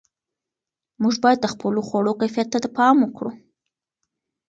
موږ باید د خپلو خوړو کیفیت ته پام وکړو.